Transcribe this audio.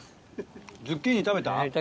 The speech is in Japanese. ズッキーニ食べた？